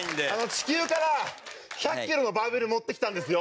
地球から１００キロのバーベル持ってきたんですよ。